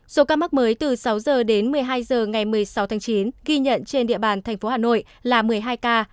số ca mắc mới từ sáu h đến một mươi hai h ngày một mươi sáu tháng chín ghi nhận trên địa bàn thành phố hà nội là một mươi hai ca